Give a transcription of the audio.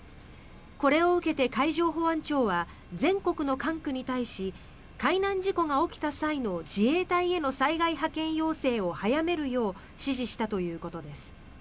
これを受けて海上保安庁は全国の管区に対し海難事故が起きた際の自衛隊への災害派遣要請を早めるよう指示したということです。